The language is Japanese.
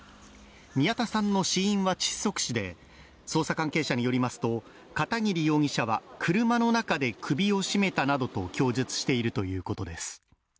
宮田さんの死因は窒息死で、捜査関係者によりますと、片桐容疑者は、車の中で首を絞めたなどと供述しているということです。